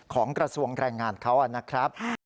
ของกระทรวงแรงงานเขานะครับ